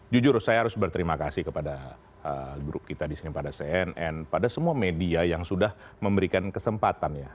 jujur saya harus berterima kasih kepada grup kita disini pada cnn pada semua media yang sudah memberikan kesempatan ya